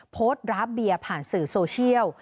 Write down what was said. โพสต์รับเบียร์ผ่านสื่อโซเชียล